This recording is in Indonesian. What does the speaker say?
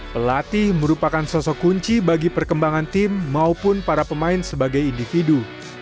pelatih merupakan sosok kunci bagi perkembangan tim maupun para pemain sebagai individu